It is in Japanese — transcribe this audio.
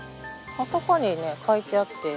あそこにね書いてあって。